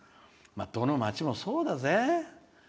どの町もそうだぜ。